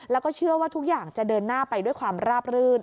แล้วก็เชื่อว่าทุกอย่างจะเดินหน้าไปด้วยความราบรื่น